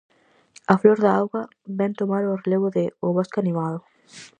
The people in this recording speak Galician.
"A flor da auga" vén tomar o relevo de "O bosque animado".